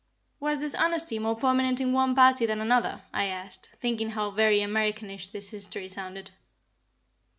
"Was dishonesty more prominent in one party than another?" I asked, thinking how very Americanish this history sounded.